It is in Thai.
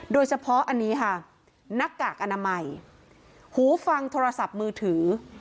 โดยเฉพาะอันนี้ค่ะหน้ากากอนามัยหูฟังโทรศัพท์มือถือ